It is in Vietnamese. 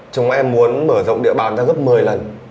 chúng em muốn mở rộng địa bàn ra gấp một mươi lần